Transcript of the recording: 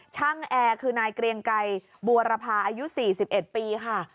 แอร์คือนายเกรียงไกรบัวรพาอายุ๔๑ปีค่ะ